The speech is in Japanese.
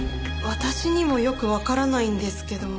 私にもよくわからないんですけど。